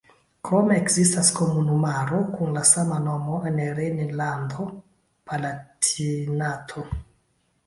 Krome ekzistas komunumaro kun la sama nomo en Rejnlando-Palatinato.